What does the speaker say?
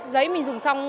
giấy mình dùng xong